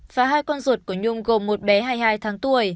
và hai con ruột của nhung gồm một bé hai mươi hai tháng tuổi